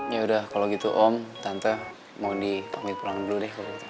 yaudah kalo gitu om tante mau dipanggil pulang dulu deh kalo gitu